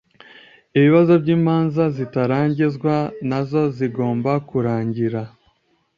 ibibazo by’imanza zitarangizwa nazo zigomba kurangira